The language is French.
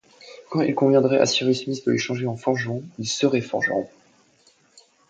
Quand il conviendrait à Cyrus Smith de les changer en forgerons, ils seraient forgerons